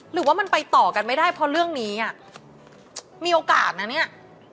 หรือว่ามันไปต่อกันไม่ได้เพราะเรื่องนี้อ่ะมีโอกาสนะเนี่ย